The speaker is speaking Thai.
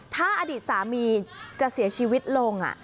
ถ้าอดีตสามีจะเสียชีวิตลง